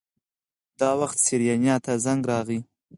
دا وخت سېرېنا ته زنګ راغی.